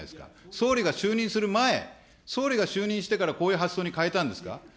総理が就任する前、総理が就任してから、こういう発想に変えたんですか。